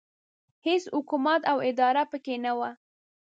هېڅ حکومت او اداره پکې نه وه.